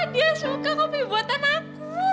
dia suka kopi buatan aku